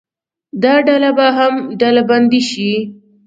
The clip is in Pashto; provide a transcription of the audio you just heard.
دا ډله به هم ډلبندي شي.